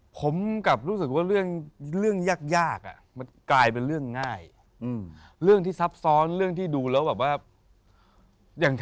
ผมกับรู้สึกว่าเรื่องเรื่องยากกลายเป็นญ่ายเรื่องที่ซับซ้อนเรื่องที่ดูแล้วแต่แบบว่า